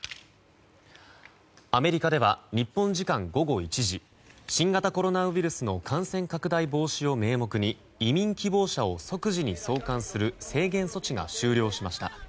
アメリカでは日本時間午後１時新型コロナウイルスの感染拡大防止を名目に移民希望者を即時に送還する制限措置が終了しました。